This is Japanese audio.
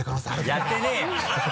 やってねぇよ！